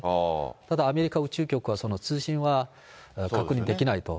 ただ、アメリカ宇宙局はその通信は確認できないと。